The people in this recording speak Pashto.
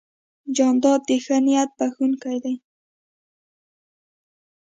جانداد د ښه نیت بښونکی دی.